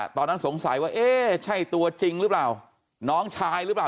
ตอนนั้นสงสัยว่าเอ๊ะใช่ตัวจริงหรือเปล่า